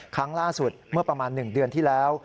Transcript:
ครั้งล่าสุดเมื่อประมาณ๑เดือนที่แล้ว